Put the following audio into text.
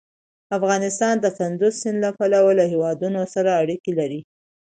افغانستان د کندز سیند له پلوه له هېوادونو سره اړیکې لري.